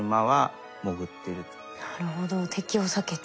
なるほど敵を避けて。